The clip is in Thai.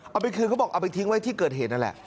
เอาไปคืนเขาบอกเอาไปทิ้งไว้ที่เกิดเหตุนั่นแหละ